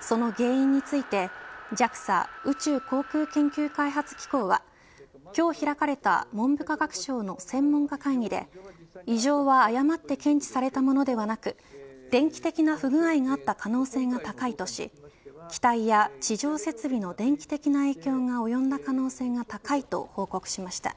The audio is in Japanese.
その原因についてＪＡＸＡ宇宙航空研究開発機構は今日開かれた文部科学省の専門家会議で異常は誤って検知されたものではなく電気的な不具合があった可能性が高いとし機体や地上設備の電気的な影響が及んだ可能性が高いと報告しました。